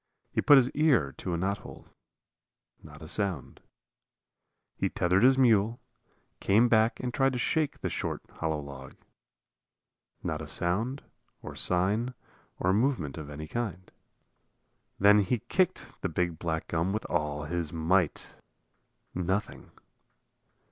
He put his ear to a knothole. Not a sound. He tethered his mule, came back and tried to shake the short, hollow log. Not a sound or sign or movement of any kind. Then he kicked the big black gum with all his might. Nothing.